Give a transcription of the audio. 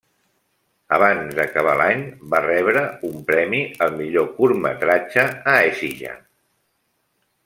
Abans d'acabar l'any, va rebre un premi al millor curtmetratge a Écija.